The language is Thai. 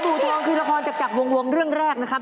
ถูกต้องคือละครจากวงเรื่องแรกนะครับ